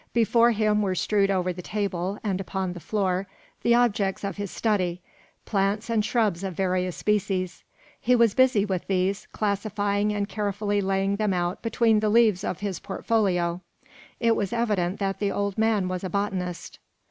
Before him were strewed over the table, and upon the floor, the objects of his study plants and shrubs of various species. He was busy with these, classifying and carefully laying them out between the leaves of his portfolio. It was evident that the old man was a botanist.